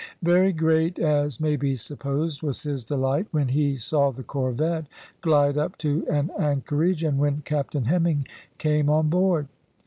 Very great, as may be supposed, was his delight when he saw the corvette glide up to an anchorage, and when Captain Hemming came on board.